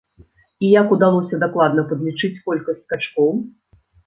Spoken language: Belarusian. І як удалося дакладна падлічыць колькасць скачкоў?!